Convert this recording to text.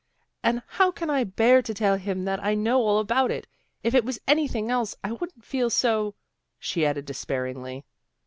And how can I bear to tell him that I know all about it. If it was anything else, I wouldn't feel so," she added despairingly.